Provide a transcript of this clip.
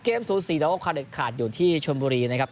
เกมสูตร๔แล้วก็คาเด็ดขาดอยู่ที่ชมบุรีนะครับ